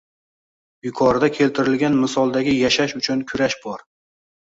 Yuqorida keltirilgan misoldagi yashash uchun kurash bor.